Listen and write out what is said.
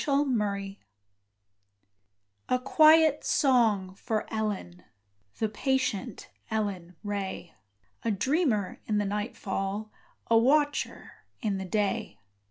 Ellen Ray A quiet song for Ellen The patient Ellen Ray, A dreamer in the nightfall, A watcher in the day.